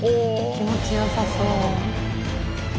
気持ちよさそう。